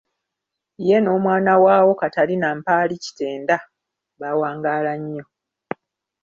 Ye n'omwana waaweo Katarina Mpaalikitenda baawangaala nnyo.